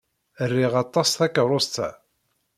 Riɣ aṭas takeṛṛust-a.